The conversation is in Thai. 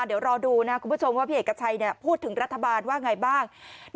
เดี๋ยวรอดูนะคุณผู้ชมว่าพี่เอกชัยพูดถึงรัฐบาลว่าไงบ้าง